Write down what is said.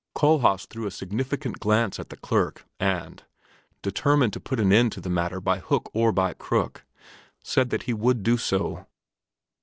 Kohlhaas threw a significant glance at the clerk and, determined to put an end to the matter by hook or by crook, said that he would do so.